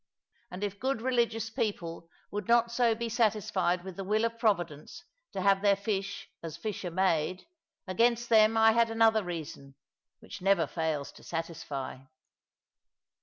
And if good religious people would not so be satisfied with the will of Providence to have their fish as fish are made, against them I had another reason, which never fails to satisfy.